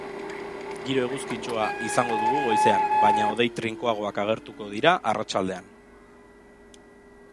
Giro eguzkitsua izango dugu goizean, baina hodei trinkoagoak agertuko dira arratsaldean.